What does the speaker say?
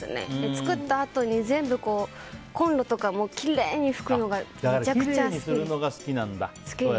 作ったあとに全部コンロとかもきれいに拭くのがきれいにするのが好きなんだ。